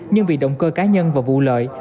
nhưng vì động cơ cá nhân và vụ lợi